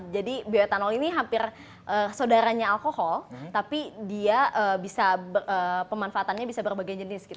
jadi bioetanol ini hampir saudaranya alkohol tapi dia bisa pemanfaatannya bisa berbagai jenis gitu